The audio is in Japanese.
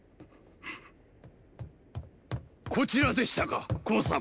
こちらでしたか向様！